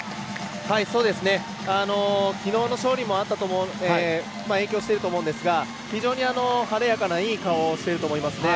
きのうの勝利も影響していると思うんですが非常に晴れやかないい顔をしていると思います。